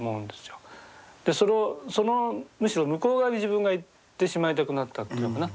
そのむしろ向こう側に自分が行ってしまいたくなったというのかな。